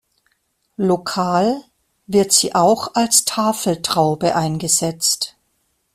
Lokal wird sie auch als Tafeltraube eingesetzt.